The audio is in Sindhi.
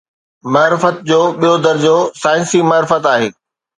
معرفت جو ٻيو درجو ”سائنسي معرفت“ آهي.